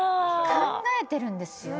考えてるんですよ。